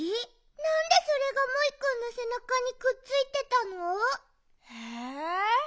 なんでそれがモイくんのせなかにくっついてたの？え？